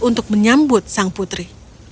untuk menyambut sang putri